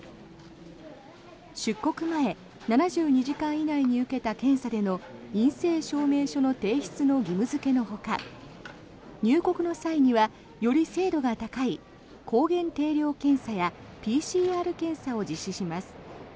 出国前７２時間以内に受けた検査での陰性証明書の提出の義務付けのほか入国の際にはより精度が高い抗原定量検査やＰＣＲ検査を実施します。